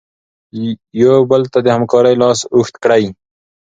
یو بل ته د همکارۍ لاس اوږد کړئ.